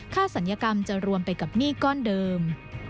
ศัลยกรรมจะรวมไปกับหนี้ก้อนเดิม